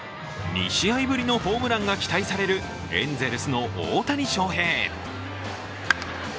２試合ぶりのホームランが期待されるエンゼルスの大谷翔平。